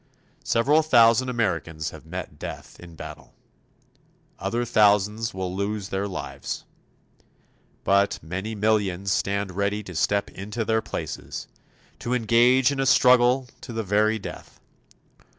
Several thousand Americans have met death in battle. Other thousands will lose their lives. But many millions stand ready to step into their places to engage in a struggle to the very death.